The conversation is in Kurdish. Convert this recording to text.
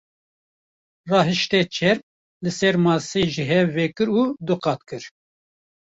Rahişte çerm, li ser masê ji hev vekir û du qat kir.